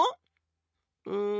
うん。